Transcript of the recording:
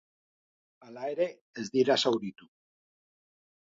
Hala ere, ez dira zauritu.